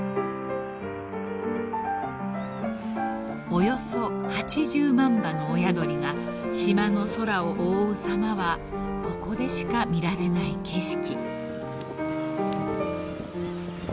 ［およそ８０万羽の親鳥が島の空を覆う様はここでしか見られない景色］